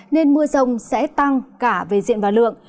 nên mưa rông sẽ tăng cả về diện và lượng